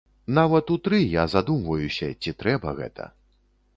Нават у тры я задумваюся, ці трэба гэта.